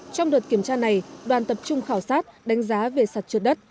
trong đợt kiểm tra này đoàn tập trung khảo sát đánh giá về sạt trượt đất